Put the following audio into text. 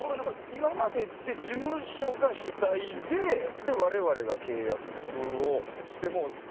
今までって事務所が主体で我々が契約をしてもらって。